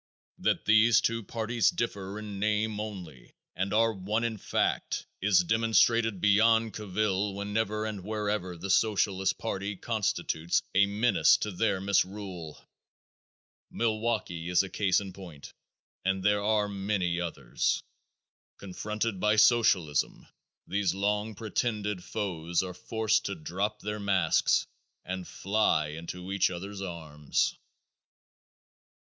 That these two parties differ in name only and are one in fact is demonstrated beyond cavil whenever and wherever the Socialist party constitutes a menace to their misrule. Milwaukee is a case in point and there are many others. Confronted by the Socialists these long pretended foes are forced to drop their masks and fly into each other's arms.